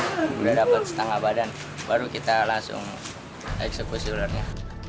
sudah dapat setengah badan baru kita langsung eksekusi ularnya